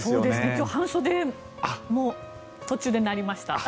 今日、半袖に途中でなりました。